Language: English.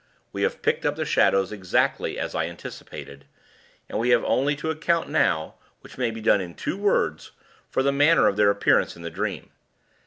We have picked up the shadows, exactly as I anticipated; and we have only to account now which may be done in two words for the manner of their appearance in the dream.